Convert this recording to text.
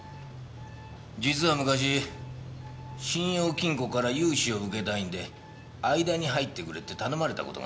実は昔信用金庫から融資を受けたいんで間に入ってくれって頼まれた事があったんです。